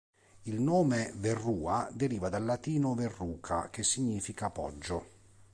Il nome "Verrua" deriva dal latino "Verruca" che significa "poggio".